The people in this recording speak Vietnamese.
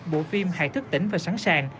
bộ phim hãy thức tỉnh và sẵn sàng